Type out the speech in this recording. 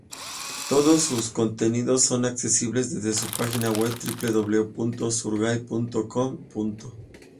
Todos sus contenidos son accesibles desde su página web www.zurgai.com.